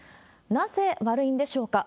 なぜ悪いんでしょうか。